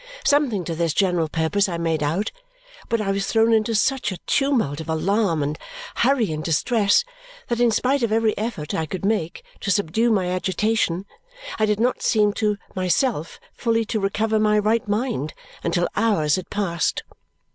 Something to this general purpose I made out, but I was thrown into such a tumult of alarm, and hurry and distress, that in spite of every effort I could make to subdue my agitation, I did not seem, to myself, fully to recover my right mind until hours had passed.